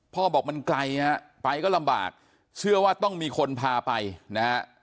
พ่อบอกมันไกลฮะไปก็ลำบากเชื่อว่าต้องมีคนพาไปนะฮะ